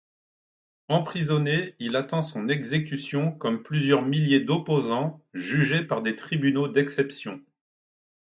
Emprisonné, il attend son exécution comme plusieurs milliers d'opposants jugés par des tribunaux d'exception.